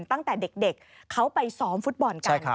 ตั้งแต่เด็กเขาไปซ้อมฟุตบอลกัน